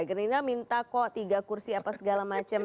gerindra minta kok tiga kursi apa segala macam